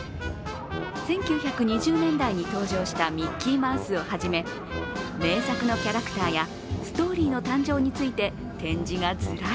１９２０年代に登場したミッキーマウスをはじめ名作のキャラクターやストーリーの誕生について、展示がずらり。